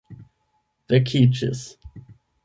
vekiĝis